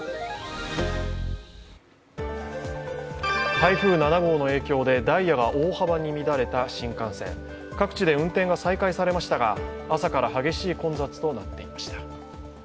台風７号の影響でダイヤが大幅に乱れた新幹線、各地で運転が再開されましたが、朝から激しい混雑となっていました。